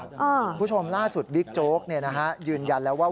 คุณผู้ชมล่าสุดบิ๊กโจ๊กยืนยันแล้วว่า